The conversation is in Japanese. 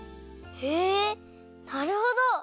へえなるほど！